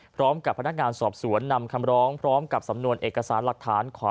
พร้อมกับพนักงานสอบสวนนำคำร้องพร้อมกับสำนวนเอกสารหลักฐาน